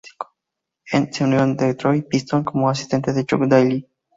En se unió a los Detroit Pistons como asistente de Chuck Daly.